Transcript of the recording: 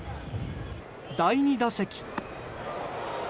第２打席。